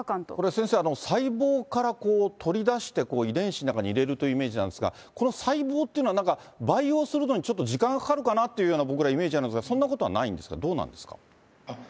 先生、これ、細胞から取り出して、遺伝子の中に入れるというイメージなんですが、この細胞っていうのは、なんか培養するのにちょっと時間がかかるかなっていうような、僕らイメージなんですか、そんなことはないんですか、どうなんですか。